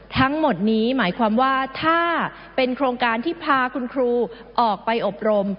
ทั้งหมดนี้หมายความว่าถ้าเป็นโครงการที่พาคุณครูออกไปอบรม